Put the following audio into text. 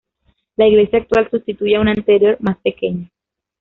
La iglesia actual sustituye a una anterior, más pequeña.